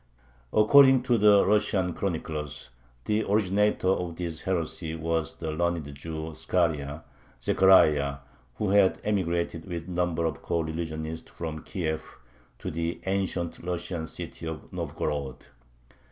According to the Russian chroniclers, the originator of this heresy was the learned Jew Skharia (Zechariah), who had emigrated with a number of coreligionists from Kiev to the ancient Russian city of Novgorod.